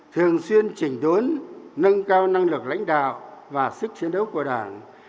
thường xuyên trình đốn nâng cao năng lực lãnh đạo và sức chiến đấu của đảng